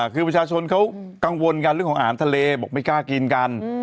คือประชาชนเขากังวลกันเรื่องของอาหารทะเลบอกไม่กล้ากินกัน